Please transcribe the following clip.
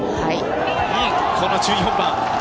この１４番。